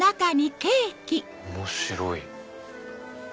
面白い。